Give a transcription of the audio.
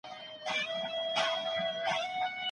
خاطرې مو د ژوند درس دی.